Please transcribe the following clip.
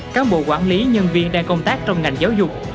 cán bộ quản lý nhân viên đang công tác trong ngành giáo dục